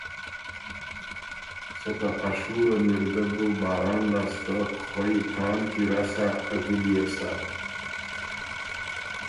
سکه ا شُوره مِرګۀ بُو باران لاسته خوئ تان کی رسا، غِليې بو سۀ،